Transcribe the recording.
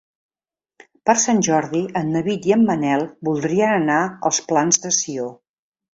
Per Sant Jordi en David i en Manel voldrien anar als Plans de Sió.